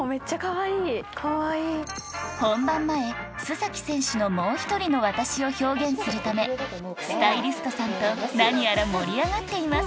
本番前須選手の「もうひとりのワタシ。」を表現するためスタイリストさんと何やら盛り上がっています